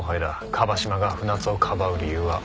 椛島が船津をかばう理由はある。